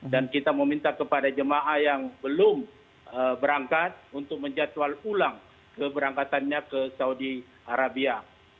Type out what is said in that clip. dan kita meminta kepada jemaah yang belum berangkat untuk menjatuhkan ulang keberangkatannya ke saudi arabia